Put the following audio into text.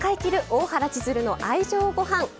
大原千鶴の愛情ごはん」。